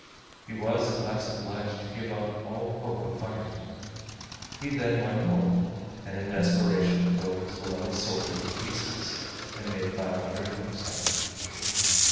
He was at last obliged to give up all hope of finding it. He then went home, and in desperation broke his beloved sword into pieces and made five hundred hooks out of it.